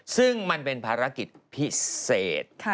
ซึ่งมันเป็นภารกิจพิเศษ